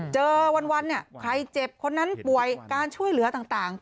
เจอวันเนี่ยใครเจ็บคนนั้นป่วยการช่วยเหลือต่าง